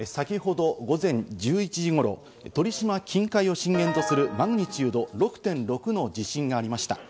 先ほど午前１１時ごろ、鳥島近海を震源とするマグニチュード６．６の地震がありました。